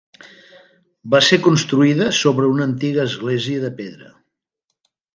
Va ser construïda sobre una antiga església de pedra.